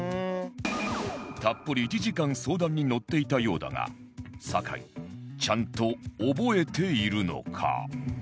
たっぷり１時間相談に乗っていたようだが酒井ちゃんと覚えているのか？